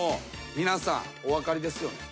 皆さんお分かりですよね？